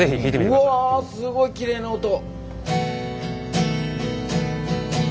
うわすごいきれいな音。